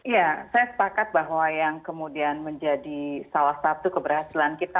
ya saya sepakat bahwa yang kemudian menjadi salah satu keberhasilan kita